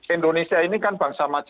indonesia ini kan bangsa majmuk biasa